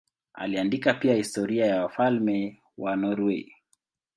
Aliandika pia historia ya wafalme wa Norwei.